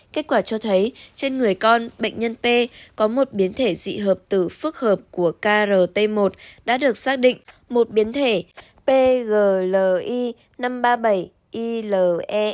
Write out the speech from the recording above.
kết quả cho thấy trên người con bệnh nhân p có một biến thể dị hợp tử phức hợp của krt một đã được xác định một biến thể pgli năm trăm ba mươi bảy ile